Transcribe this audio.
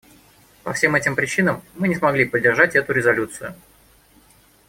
По всем этим причинам мы не смогли поддержать эту резолюцию.